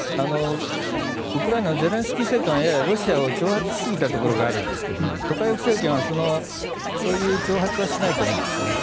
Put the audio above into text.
ウクライナのゼレンスキー政権はロシアを挑発しすぎたところがあるんですがトカエフ政権はそういう挑発はしないと思うんですよね。